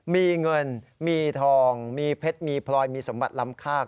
มีเงินมีทองมีเพชรมีพลอยมีสมบัติล้ำคาก